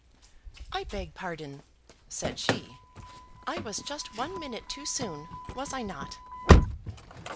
"I beg pardon," said she, "I was just one minute too soon; was I not?"